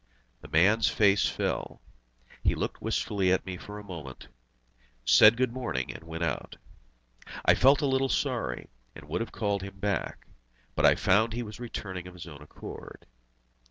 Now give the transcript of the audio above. The man's face fell. He looked wistfully at me for a moment, said "Good morning," and went out. I felt a little sorry, and would have called him back, but I found he was returning of his own accord.